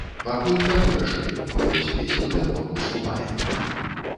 Пакуль не вырашылі, хоць песню для конкурсу маем.